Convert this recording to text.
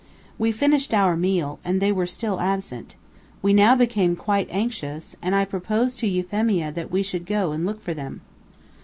We finished our meal, and they were still absent. We now became quite anxious, and I proposed to Euphemia that we should go and look for them.